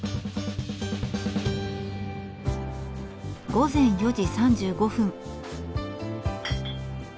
午前４時３５分。